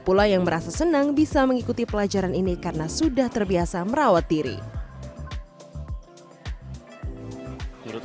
pula yang merasa senang bisa mengikuti pelajaran ini karena sudah terbiasa merawat diri menurut